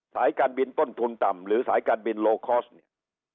สายการบินต้นทุนต่ำหรือสายการบินโลคอร์สเนี่ย